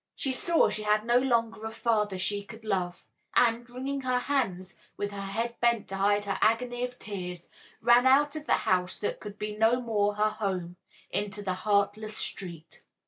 She saw she had no longer a father she could love; and, wringing her hands, with her head bent to hide her agony of tears, ran out of the house that could no more be her home, into the heartless street.